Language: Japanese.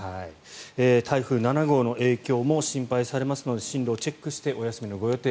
台風７号の影響も心配されますので進路をチェックしてお休みのご予定